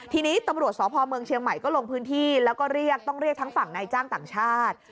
ทีนี้ตำรวจสพเมืองเชียงใหม่ก็ลงพื้นที่แล้วก็เรียกต้องเรียกทั้งฝั่งนายจ้างต่างชาติ